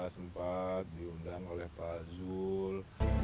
sempat diundang oleh pak zul